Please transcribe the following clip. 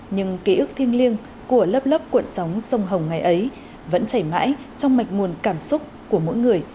nhưng kế ức thiêng liêng của lớp lớp cuộc sống sông hồng ngày ấy vẫn chảy mãi trong mạch nguồn cảm xúc của mỗi người